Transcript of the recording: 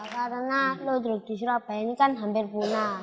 karena ludruk di surabaya ini kan hampir punah